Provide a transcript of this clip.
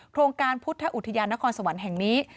โครงการพุทธอุทยานนครสวรรค์แห่งนี้